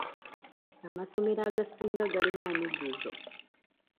Amasomero agasinga galimu omujjuzo.